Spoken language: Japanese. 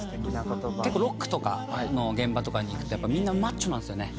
結構ロックとかの現場とかに行くとやっぱみんなマッチョなんですよね。